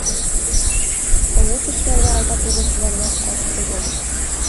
Оло кешеләрҙе алдап йөрөүселәр ҙә әҙ түгел.